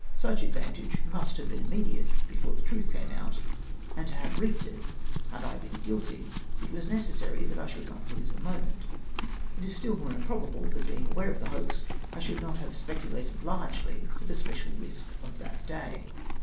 Such advan tage must have been immediate, before the truth came out, and to ]iave reaped it, had I been guilty, it was necessary that I should not lose a moment. It is still more improbable, that being aware of the hoax, I shoidd not have speculated largely for the special risk of that day.